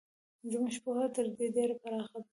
زموږ پوهه تر دې ډېره پراخه ده.